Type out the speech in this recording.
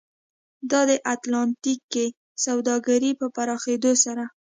دا د اتلانتیک کې سوداګرۍ په پراخېدو سره و.